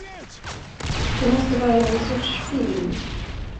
Det måste vara någon sorts film.